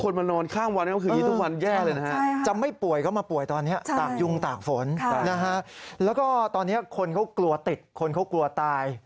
แล้วก็ตอนนี้คนเขากลัวติดคนเขากลัวตาย